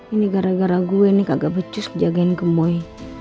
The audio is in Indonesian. ini gara gara gue ini kagak becus jagain gemboy